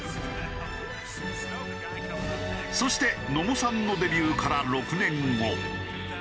そして野茂さんのデビューから６年後。